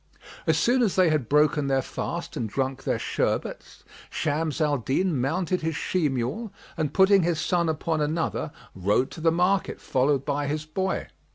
As soon as they had broken their fast and drunk their sherbets, Shams al Din mounted his she mule and putting his son upon another, rode to the market, followed by his boy.